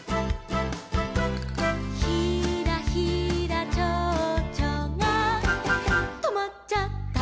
「ひらひらちょうちょがとまっちゃった」